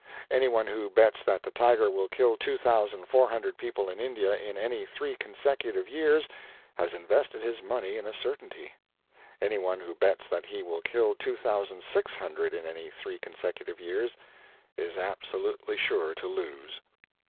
Anyone who bets that the tiger will kill 2,400 people in India in any three consecutive years has invested his money in a certainty; anyone who bets that he will kill 2,600 in any three consecutive years, is absolutely sure to lose.